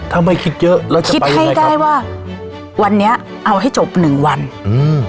ถ้าไม่คิดเยอะแล้วจะคิดให้ได้ว่าวันนี้เอาให้จบหนึ่งวันอืม